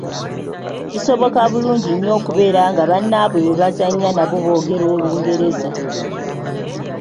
Kisoboka bulungi nnyo okubeera nga bannaabwe be bazannya nabo boogera Lungereza.